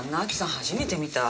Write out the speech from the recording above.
初めて見た。